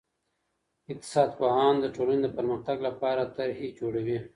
اقتصاد پوهان د ټولني د پرمختګ لپاره طرحي جوړوي.